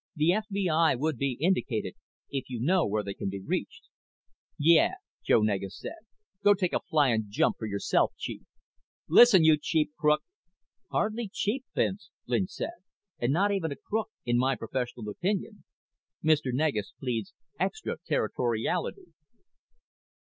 The FBI would be indicated, if you know where they can be reached." "Yeah," Joe Negus said. "Go take a flying jump for yourself, Chief." "Listen, you cheap crook " "Hardly cheap, Vince," Lynch said. "And not even a crook, in my professional opinion. Mr. Negus pleads extra territoriality."